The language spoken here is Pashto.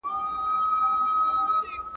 د خيرات په ورځ د يتيم پزه ويني سي.